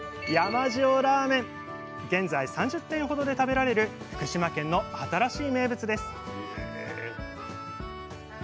現在３０店ほどで食べられる福島県の新しい名物です